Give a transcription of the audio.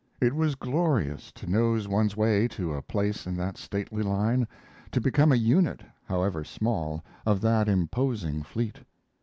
It was glorious to nose one's way to a place in that stately line, to become a unit, however small, of that imposing fleet.